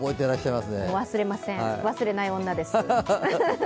忘れません、忘れない女です。